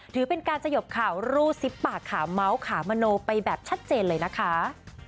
ถือเป็นการสยบข่าวรูดซิบปากขาเมาส์ขามโนไปแบบชัดเจนเลยนะคะ